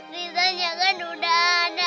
kristalnya kan udah ada bunda dari